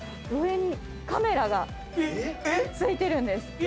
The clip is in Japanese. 上にカメラが付いてるんです。